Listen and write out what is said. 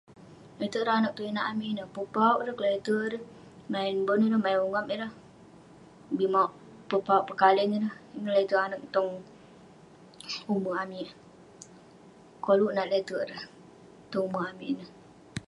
Le'terk ireh anag tong inak amik ineh, pepauwk ireh, kle'terk ireh, main bon ireh, main ungap ireh..bi mauk pepauwk, pekaleng ireh, ineh le'terk anag tong umerk amik..koluk nat ireh tong umerk amik ineh